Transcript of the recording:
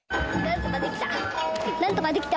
なんとかできた。